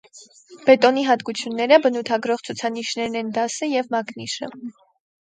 Բետոնի հատկությունները բնութագրող ցուցանիշներն են դասը և մակնիշը։